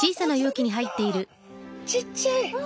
ちっちゃい。